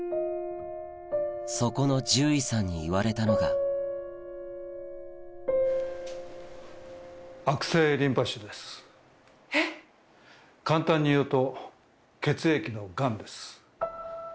そこの獣医さんに言われたのがえっ⁉簡単に言うと。